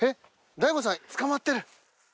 大悟さん捕まってる。